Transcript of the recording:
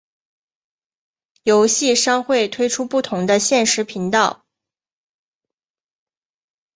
游戏商会推出不同的限时频道。